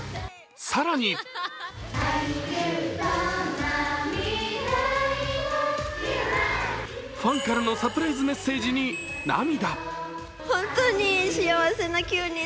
更にファンからのサプライズメッセージに涙。